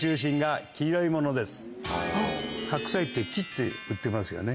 白菜って切って売ってますよね。